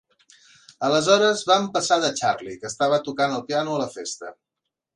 Aleshores, vam passar de Charlie, que estava tocant el piano a la festa.